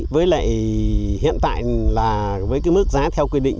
với lại hiện tại là với cái mức giá theo quy định